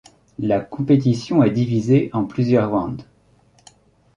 La compétition est divisée en plusieurs rounds.